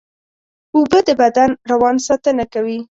اوبه د بدن روان ساتنه کوي